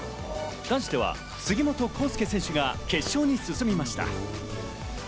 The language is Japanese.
男子では杉本幸祐選手が決勝に進みました。